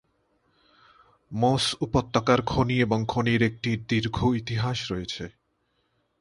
মোস উপত্যকার খনি এবং খনির একটি দীর্ঘ ইতিহাস রয়েছে।